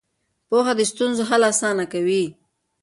پوهه د ستونزو حل اسانه کوي.